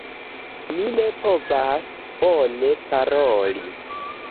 Mi ne povas bone paroli.